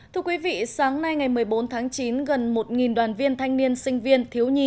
thưa quý vị sáng nay ngày một mươi bốn tháng chín gần một đoàn viên thanh niên sinh viên thiếu nhi